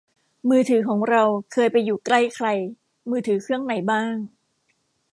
มือถือของเราเคยไปอยู่ใกล้ใครมือถือเครื่องไหนบ้าง